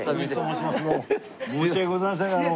申し訳ございません。